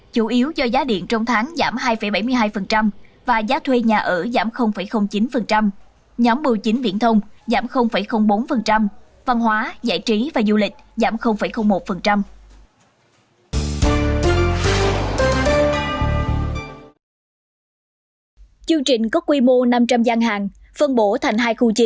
chương trình có quy mô năm trăm linh gian hàng phân bổ thành hai khu chính